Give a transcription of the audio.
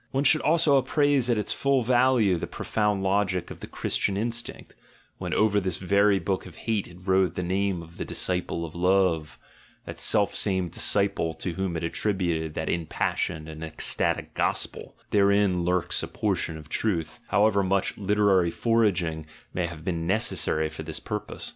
(One should also appraise at its full value the profound logic of the Christian instinct, when over this very book of hate it wrote the name of the Disciple of Love, that self same disciple to whom it attributed that impassioned and ecstatic Gospel — therein lurks a portion of truth, however much literary forging may have been necessary for this purpose.)